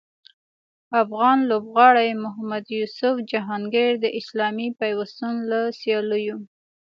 افغان لوبغاړي محمد یوسف جهانګیر د اسلامي پیوستون له سیالیو